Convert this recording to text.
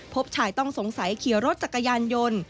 พบชายต้องสงสัยขี่รถจักรยานยนต์